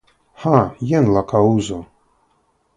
Ha, jen la kaŭzo.